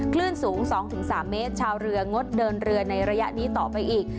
คลื่นสูง๒๓เมตรชาวเรืองดเดินเรือในระยะนี้ต่อไปอีก